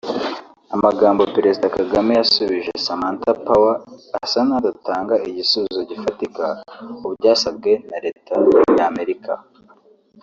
Amagambo Perezida Kagame yasubije Samantha Power asa n’adatanga igisubizo gifatika kubyasabwe na Leta y’Amerika